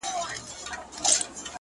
o د خپل ژوند په يوه خړه آئينه کي ـ